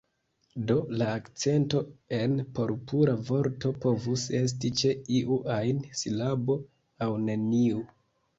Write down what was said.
Do, la akcento en "Purpura" vorto povus esti ĉe iu ajn silabo aŭ neniu.